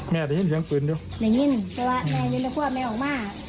แม่ได้ยิ้มเสียงปืนด้วยไม่ยิ้มแต่ว่าแม่มีละครวดไม่ออกมา